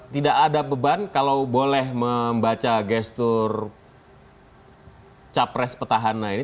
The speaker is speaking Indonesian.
tidak ada beban kalau boleh membaca gestur capres petahana ini